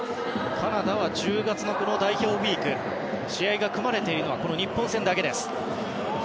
カナダは１０月の代表ウィークで試合が組まれているのは日本戦だけです。